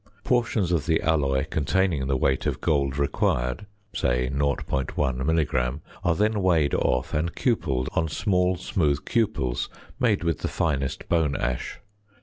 Portions of the alloy containing the weight of gold required (say 0.1 milligram) are then weighed off and cupelled on small smooth cupels, made with the finest bone ash.